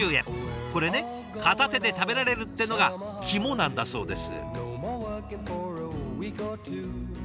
これね片手で食べられるってのがキモなんだそうです。